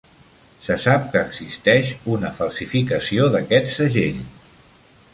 Se sap que existeix una falsificació d'aquest segell.